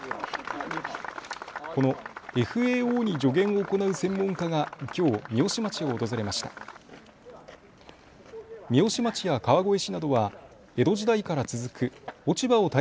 このＦＡＯに助言を行う専門家がきょう三芳町を訪れました。